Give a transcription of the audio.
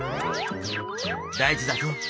大事だぞ。